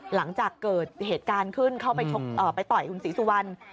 หลังจากเกิดเหตุการณ์ขึ้นเข้าไปต่อยคุณศรีสุวรรณ